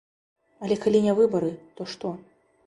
Але калі не выбары, то што?